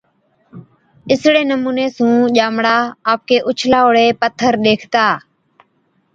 اِسڙي نمُوني سُون ڄامڙا آپڪي اُڇلائوڙي پٿر ڏيکتا،